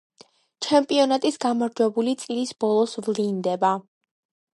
ჩემპიონატის გამარჯვებული წლის ბოლოს ვლინდება.